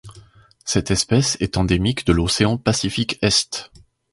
Cette espèce est endémique de l'océan Pacifique Est.